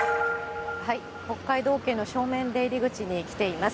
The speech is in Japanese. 北海道警の正面出入り口に来ています。